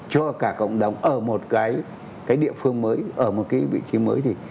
cho cả cộng đồng ở một cái địa phương mới ở một cái vị trí mới gì